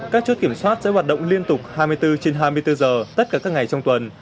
các chốt kiểm soát sẽ hoạt động liên tục hai mươi bốn trên hai mươi bốn giờ tất cả các ngày trong tuần